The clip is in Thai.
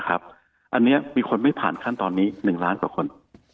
อันนี้มีคนไม่ผ่านขั้นตอนนี้๑ล้านกว่าคน